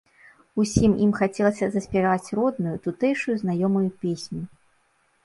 Усім ім хацелася заспяваць родную, тутэйшую знаёмую песню.